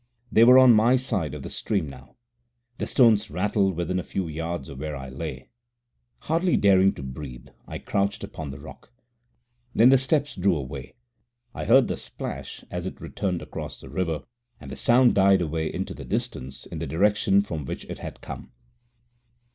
They were on my side of the stream now. The stones rattled within a few yards of where I lay. Hardly daring to breathe, I crouched upon my rock. Then the steps drew away. I heard the splash as it returned across the river, and the sound died away into the distance in the direction from which it had come.